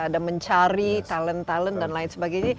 ada mencari talent talent dan lain sebagainya